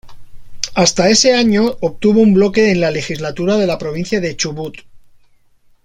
Hasta ese año obtuvo un bloque en la Legislatura de la Provincia del Chubut.